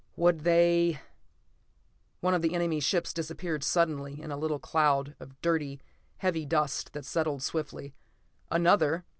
Would they One of the enemy ships disappeared suddenly in a little cloud of dirty, heavy dust that settled swiftly. Another